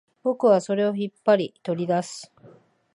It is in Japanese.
僕はそれを引っ張り、取り出す